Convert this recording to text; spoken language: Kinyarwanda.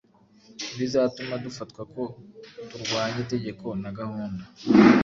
ibizatuma dufatwa ko turwanya itegeko na gahunda.